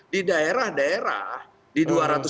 di daerah daerah di dua ratus tujuh puluh